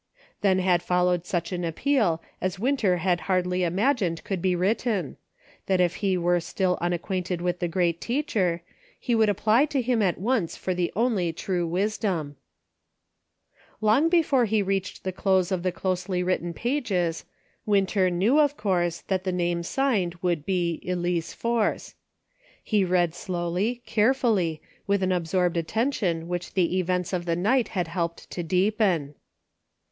Then had followed such an appeal as Winter had hardly imagined could be written : that if he were still unacquainted with the Great Teacher, he would apply to Him at once for the only true wisdom. Long before he reached the close of the closely written pages. Winter knew, of course, that the name signed would be, Elice Force. He read 322 A NIGHT FOR DECISIONS. slowly, carefully, with an absorbed attention which the events of the night had helped to deepen.